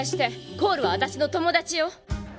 コールは私の友達よ。